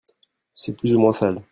C'est plus ou moins sale.